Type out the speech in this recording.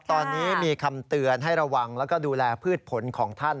ตอนนี้มีคำเตือนให้ระวังแล้วก็ดูแลพืชผลของท่าน